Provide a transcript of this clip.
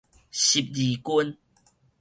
十字軍